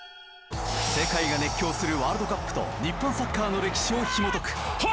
世界が熱狂するワールドカップと日本サッカーの歴史をひも解く。